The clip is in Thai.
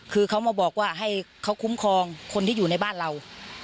คือเขามาบอกว่าให้เขาคุ้มครองคนที่อยู่ในบ้านเรา